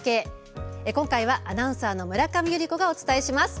今回は、アナウンサーの村上由利子がお伝えします。